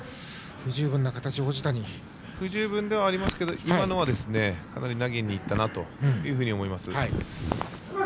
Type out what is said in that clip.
不十分ではありますが今のはかなり投げにいったなと思います。